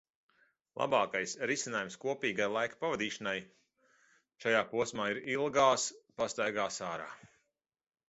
Labākais risinājums kopīgai laika pavadīšanai šajā posmā ir ilgās pastaigās ārā.